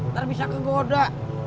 ntar bisa kegoda